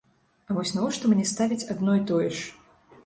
А вось навошта мне ставіць адно і тое ж?